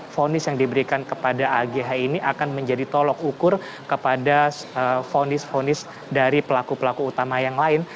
fonis yang diberikan kepada agh ini akan menjadi tolok ukur kepada fonis fonis dari pelaku pelaku utama yang lain